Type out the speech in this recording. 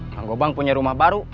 bang gobang punya rumah baru